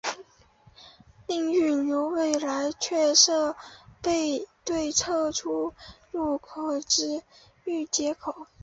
另预留未来增设对侧出入口之衔接口。